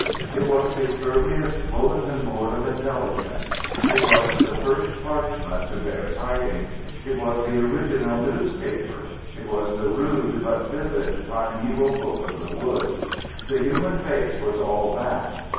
It was his earliest bulletin board of intelligence. It was the first parchment to bear tidings; it was the original newspaper; it was the rude, but vivid, primeval book of the woods. The human face was all that.